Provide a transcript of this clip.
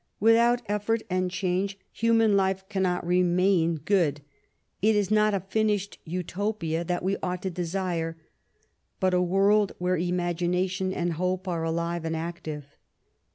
Without effort and change, human life cannot remain good. It is not a finished Utopia that we ought to desire, but a world where imagination and hope are alive and active.